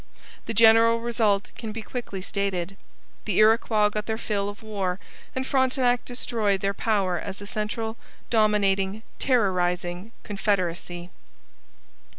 The general result can be quickly stated. The Iroquois got their fill of war, and Frontenac destroyed their power as a central, dominating, terrorizing confederacy.